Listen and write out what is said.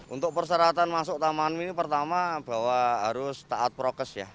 untuk perseratan masuk taman mini pertama bahwa harus taat prokes ya